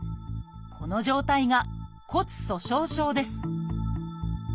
この状態が骨粗しょう症です